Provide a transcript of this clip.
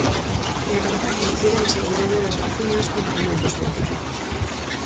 E a campaña incide na seguridade das vacinas, con argumentos científicos.